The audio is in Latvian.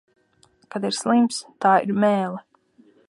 Kad ir slims, tā ir mēle.